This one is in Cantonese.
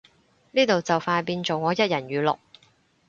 呢度就快變做我一人語錄